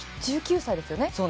１９歳ですよね？